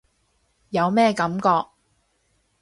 有咩感覺？